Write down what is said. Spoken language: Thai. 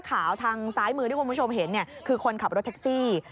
ทางซ้ายมือที่คุณผู้ชมเห็นคือคนขับรถแท็กซี่